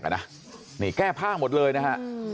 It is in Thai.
เนี่ยแก้ภาพหมดเลยนะคะ